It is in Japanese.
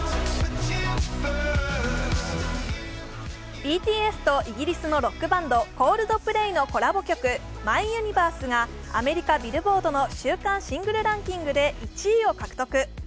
ＢＴＳとイギリスのロックバンド、Ｃｏｌｄｐｌａｙのコラボ曲、「ＭｙＵｎｉｖｅｒｓｅ」がアメリカ・ビルボードの週間シングルランキングで１位を獲得。